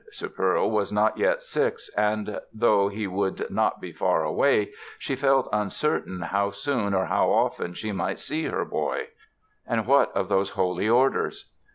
"Sepperl" was not yet six and though he would not be far away she felt uncertain how soon or how often she might see her boy. And what of those holy orders?